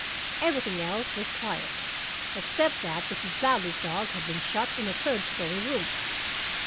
Everything else was quiet, except that Mrs. Ladley's dog had been shut in a third story room.